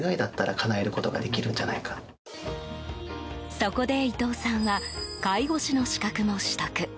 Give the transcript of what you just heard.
そこで、伊藤さんは介護士の資格も取得。